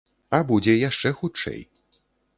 А будзе яшчэ хутчэй.